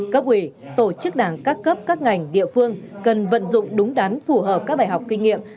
cấp ủy tổ chức đảng các cấp các ngành địa phương cần vận dụng đúng đắn phù hợp các bài học kinh nghiệm